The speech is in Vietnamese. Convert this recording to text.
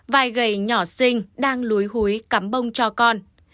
vài gầy nhỏ xinh đang lúi húi cắm bông cho con